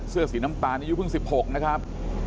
เสื้อสีน้ำตาลอายุเพิ่ง๑๖นะครับ